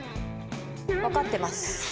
分かってます。